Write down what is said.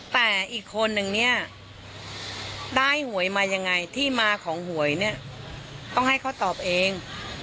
แต่อีกคนนึงเนี่ยได้หวยมายังไงที่มาของหวยเนี่ยต้องให้เขาตอบเอง